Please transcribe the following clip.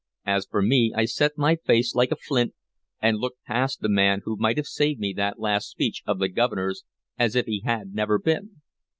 As for me, I set my face like a flint, and looked past the man who might have saved me that last speech of the Governor's as if he had never been.